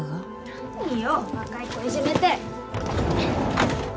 何よ若い子いじめて！